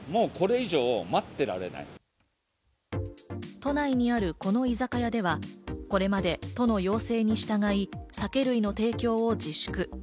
都内にあるこの居酒屋ではこれまで都の要請に従い酒類の提供を自粛。